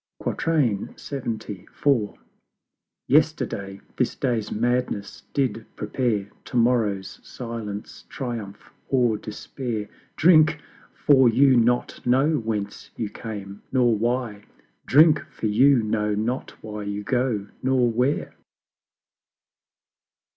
LXXIV. YESTERDAY This Day's Madness did prepare; TO MORROW's Silence, Triumph, or Despair: Drink! for you not know whence you came, nor why: Drink! for you know not why you go, nor where.